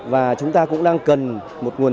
và chúng ta cũng đang cần một nguồn